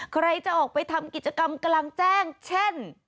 ใครจะออกไปทำกิจกรรมกลางแจ้งเช่น